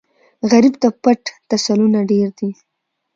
غریب ته پټ تسلونه ډېر دي